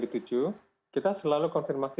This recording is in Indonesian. dituju kita selalu konfirmasi